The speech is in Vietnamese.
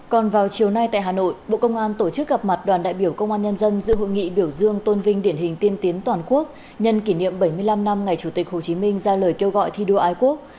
còn vào chiều nay tại hà nội bộ công an tổ chức gặp mặt đoàn đại biểu công an nhân dân dự hội nghị biểu dương tôn vinh điển hình tiên tiến toàn quốc nhân kỷ niệm bảy mươi năm năm ngày chủ tịch hồ chí minh ra lời kêu gọi thi đua ái quốc